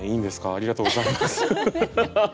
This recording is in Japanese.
ありがとうございます。